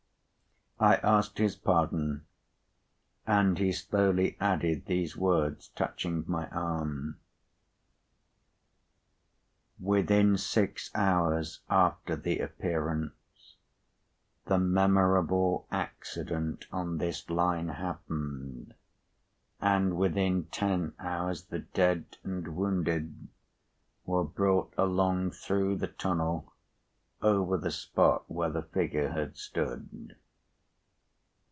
I asked his pardon, and he slowly added these words, touching my arm: "Within six hours after the Appearance, the memorable accident on this Line happened, and within ten hours the dead and wounded were brought along through the tunnel over the spot where the figure had stood."